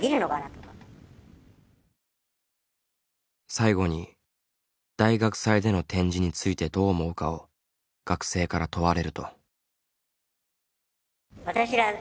最後に大学祭での展示についてどう思うかを学生から問われると。